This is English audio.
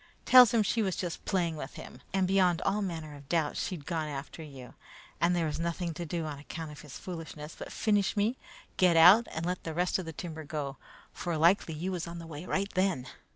Tells him she was just playing with him, and beyond all manner of doubt she'd gone after you, and there was nothing to do on account of his foolishness but finish me, get out, and let the rest of the timber go, for likely you was on the way right then.